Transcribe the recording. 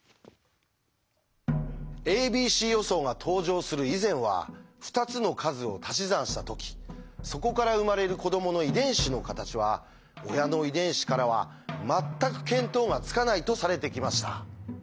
「ａｂｃ予想」が登場する以前は２つの数をたし算した時そこから生まれる子どもの遺伝子の形は親の遺伝子からは全く見当がつかないとされてきました。